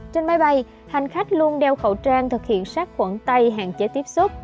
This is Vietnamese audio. trên bay bay hành khách luôn đeo khẩu trang thực hiện sát quẩn tay hạn chế tiếp xúc